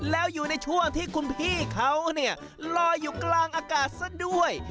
แล้วอยู่ในช่วงที่คุณพี่เขาเนี่ยลอยอยู่กลางอากาศซะด้วย